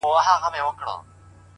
له کلونو له عمرونو یې روزلی!